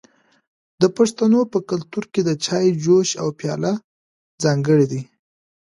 د پښتنو په کلتور کې د چای جوش او پیالې ځانګړي دي.